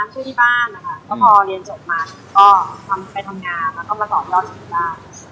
แล้วพอเรียนจบมาก็ไปทำงานแล้วก็มาสอนย้อนอยู่บ้าน